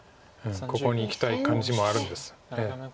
ここにいきたい感じもあるんです。